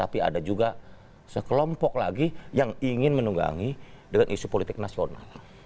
tapi ada juga sekelompok lagi yang ingin menunggangi dengan isu politik nasional